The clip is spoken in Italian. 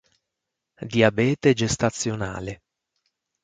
Diabete gestazionale.